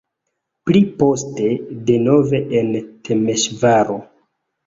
Pli poste denove en Temeŝvaro.